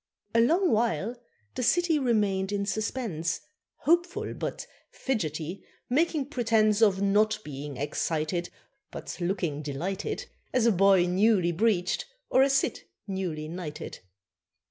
A long while the city remained in suspense, Hopeful, but fidgety, making pretence Of not being excited, But looking delighted, As a boy newly breeched, or a cit newly knighted.